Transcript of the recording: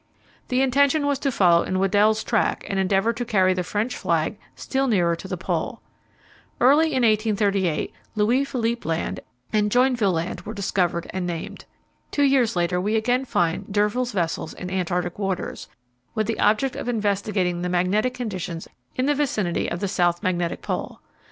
The intention was to follow in Weddell's track, and endeavour to carry the French flag still nearer to the Pole. Early in 1838 Louis Philippe Land and Joinville Island were discovered and named. Two years later we again find d'Urville's vessels in Antarctic waters, with the object of investigating the magnetic conditions in the vicinity of the South Magnetic Pole.